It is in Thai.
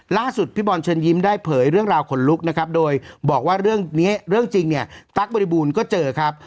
พี่บอลเชิญยิ้มได้เผยเรื่องราวขนลุกนะครับโดยบอกว่าเรื่องนี้เรื่องจริงเนี่ยตั๊กบริบูรณ์ก็เจอครับ